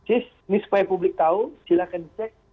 ini supaya publik tahu silahkan dicek